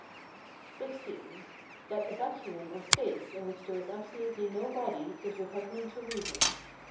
XVI. That a vacuum or space in which there is absolutely no body is repugnant to reason.